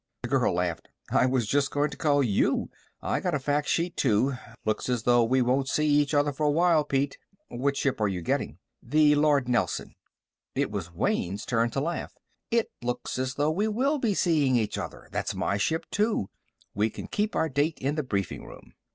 The girl laughed. "I was just going to call you, I got a fac sheet too. Looks as though we won't see each other for a while, Pete." "What ship are you getting?" "The Lord Nelson." It was Wayne's turn to laugh. "It looks as though we will be seeing each other. That's my ship too. We can keep our date in the briefing room."